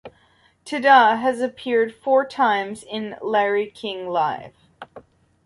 Tada has appeared four times on "Larry King Live".